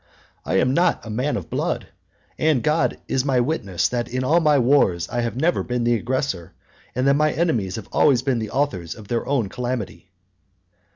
I am not a man of blood; and God is my witness, that in all my wars I have never been the aggressor, and that my enemies have always been the authors of their own calamity."